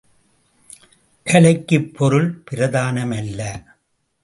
கலைக்குப் பொருள் பிரதானமல்ல.